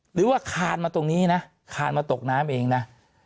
หรือว่าคานมาตรงนี้นะคานมาตกน้ำเองนะ